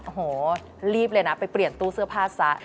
โอ้โหรีบเลยนะไปเปลี่ยนตู้เสื้อผ้าซะ